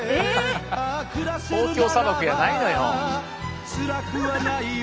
「東京砂漠」やないのよ。